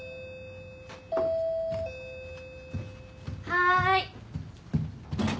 はい。